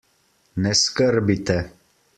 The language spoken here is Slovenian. Ne skrbite.